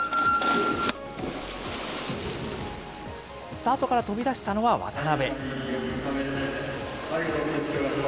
スタートから飛び出したのは渡辺。